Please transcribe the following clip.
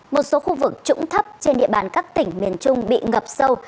một số khu vực trũng thấp trên địa bàn các tỉnh miền trung bị ngập sâu